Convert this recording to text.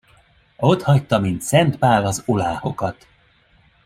Otthagyta, mint Szent Pál az oláhokat.